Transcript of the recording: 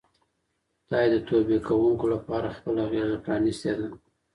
خدای د توبې کوونکو لپاره خپله غېږه پرانیستې ده.